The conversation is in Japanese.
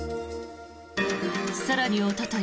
更におととい